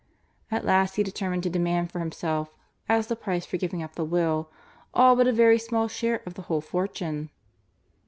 At last he determined to demand for himself, as the price for giving up the will, all but a very small share of the whole fortune.